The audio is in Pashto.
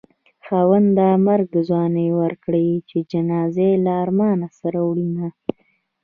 خاونده مرګ په ځوانۍ ورکړې چې جنازه يې د ارمانه سره وړينه